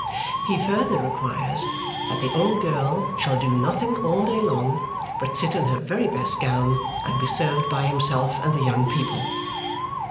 He further requires that the old girl shall do nothing all day long but sit in her very best gown and be served by himself and the young people.